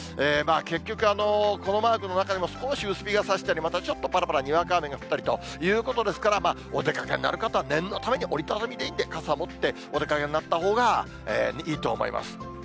結局、このマークの中でも、少し薄日がさしたり、またちょっとぱらぱら、にわか雨が降ったりということですから、お出かけになる方は、念のために折り畳みでいいんで、傘を持ってお出かけになったほうがいいと思います。